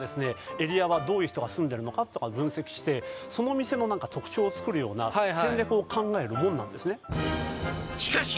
エリアはどういう人が住んでるのかとか分析してその店の特徴を作るような戦略を考えるもんなんですね「しかし」